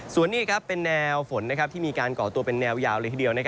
ส่วนนี้เป็นแนวฝนที่มีการก่อตัวเป็นแนวยาวเลยทีเดียว